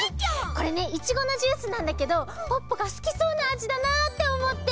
これねいちごのジュースなんだけどポッポがすきそうなあじだなっておもって。